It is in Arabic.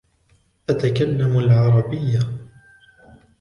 أتكلم العربية.